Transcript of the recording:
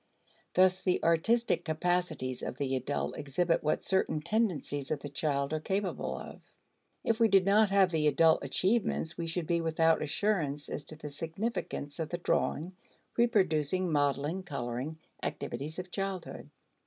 Thus the artistic capacities of the adult exhibit what certain tendencies of the child are capable of; if we did not have the adult achievements we should be without assurance as to the significance of the drawing, reproducing, modeling, coloring activities of childhood.